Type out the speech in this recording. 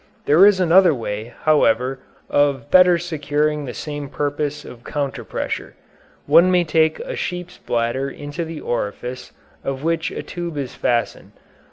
There is another way, however, of better securing the same purpose of counterpressure. One may take a sheep's bladder into the orifice of which a tube is fastened.